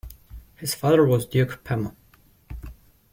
His father was Duke Pemmo.